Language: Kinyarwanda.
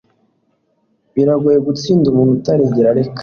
biragoye gutsinda umuntu utigera areka